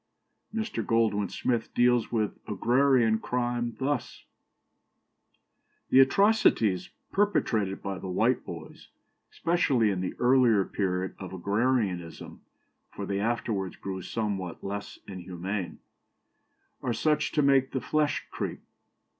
" Mr. Goldwin Smith deals with agrarian crime thus: "The atrocities perpetrated by the Whiteboys, especially in the earlier period of agrarianism (for they afterwards grew somewhat less inhuman), are such as to make the flesh creep.